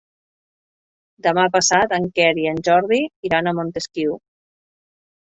Demà passat en Quer i en Jordi iran a Montesquiu.